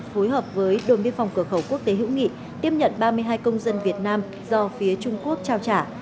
phối hợp với đồn biên phòng cửa khẩu quốc tế hữu nghị tiếp nhận ba mươi hai công dân việt nam do phía trung quốc trao trả